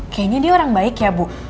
kayaknya dia orang baik ya bu